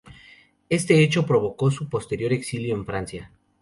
Este hecho provocó su posterior exilio en Francia.